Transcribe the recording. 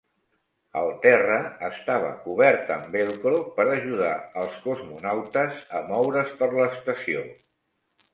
El terra estava cobert amb Velcro per ajudar als cosmonautes a moure's per l'estació.